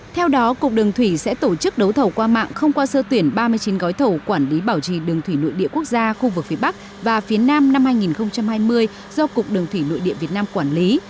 theo đó cục đường thủy sẽ tổ chức đấu thầu qua mạng không qua sơ tuyển ba mươi chín gói thầu quản lý bảo trì đường thủy nội địa quốc gia khu vực phía bắc và phía nam năm hai nghìn hai mươi do cục đường thủy nội địa việt nam quản lý